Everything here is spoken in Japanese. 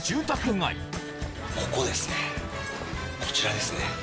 こちらですね。